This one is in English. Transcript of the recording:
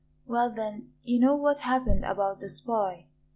Well, then you know what happened about the spy.